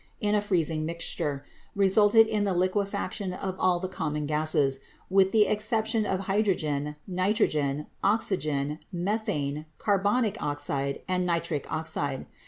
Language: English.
in a freezing mixture, resulted in the liquefaction of all the common gases, with the excep tion of hydrogen, nitrogen, oxygen, methane, carbonic oxide and nitric oxide.